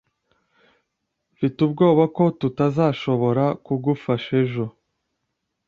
Mfite ubwoba ko tutazashobora kugufasha ejo